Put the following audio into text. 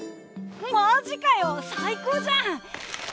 マジかよ最高じゃん！